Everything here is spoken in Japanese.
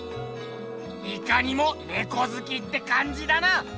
いかにもネコずきってかんじだな。